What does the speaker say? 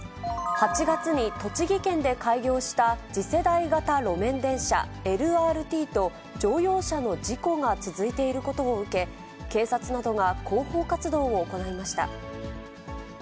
８月に栃木県で開業した次世代型路面電車・ＬＲＴと、乗用車の事故が続いていることを受け、警察などが広報活動を行いました。